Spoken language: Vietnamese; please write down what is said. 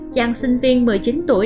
chàng sinh viên một mươi chín tuổi